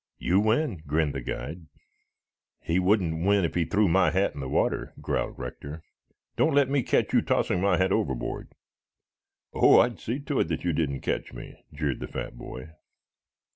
"You win," grinned the guide. "He wouldn't win if he threw my hat in the water," growled Rector. "Don't let me catch you tossing my hat overboard." "Oh, I'd see to it that you didn't catch me," jeered the fat boy.